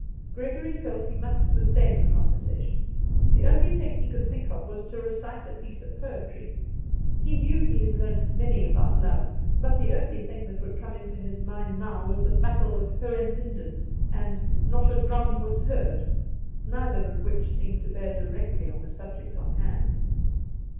Gregory felt he must sustain the conversation. The only thing he could think of was to recite a piece of poetry. He knew he had learnt many about love; but the only thing that would come into his mind now was the "Battle of Hohenlinden," and "Not a drum was heard," neither of which seemed to bear directly on the subject on hand.